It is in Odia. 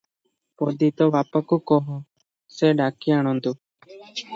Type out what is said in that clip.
ପଦୀ- ତୋ ବାପାକୁ କହ, ସେ ଡାକି ଆଣନ୍ତୁ ।